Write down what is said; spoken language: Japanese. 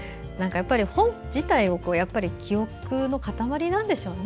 本自体が記憶の塊なんでしょうね。